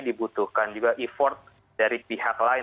dibutuhkan juga effort dari pihak lain